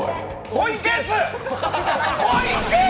コインケース！